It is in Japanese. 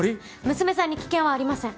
娘さんに危険はありません。